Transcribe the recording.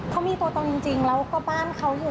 เขามีตัวตนจริงแล้วก็บ้านเขาอยู่